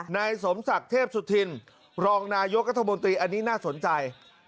ในสมศักดิ์เทพสุธินรองนายกระทรวงการกระทรวงการอันนี้น่าสนใจ